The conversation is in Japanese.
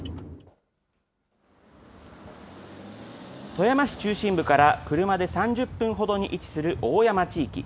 富山市中心部から車で３０分ほどに位置する大山地域。